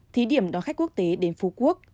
thí điểm đón khách quốc tế đến phú quốc